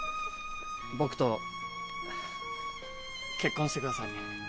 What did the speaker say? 僕と結婚してください。